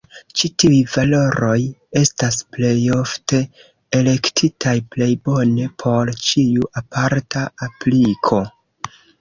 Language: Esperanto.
Ĉi tiuj valoroj estas plejofte elektitaj plej bone por ĉiu aparta apliko.